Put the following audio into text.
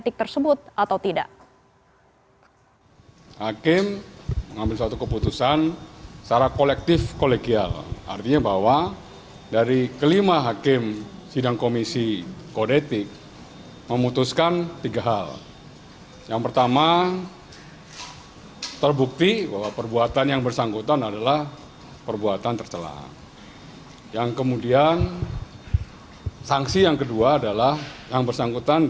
hendra kurniawan mengajukan banding atas hasil sidang